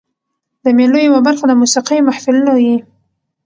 د مېلو یوه برخه د موسیقۍ محفلونه يي.